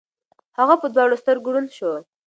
هغه په دواړو سترګو ړوند شو.